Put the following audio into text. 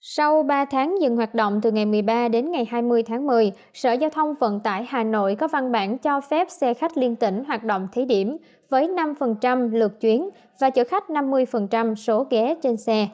sau ba tháng dừng hoạt động từ ngày một mươi ba đến ngày hai mươi tháng một mươi sở giao thông vận tải hà nội có văn bản cho phép xe khách liên tỉnh hoạt động thí điểm với năm lượt chuyến và chở khách năm mươi số ghế trên xe